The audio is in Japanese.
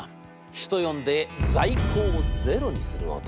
人呼んで在庫をゼロにする男。